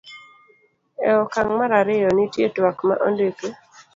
e okang' mar ariyo, nitie twak ma ondiki